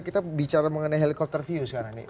kita bicara mengenai helicopter view sekarang nih